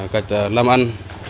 cách làm ăn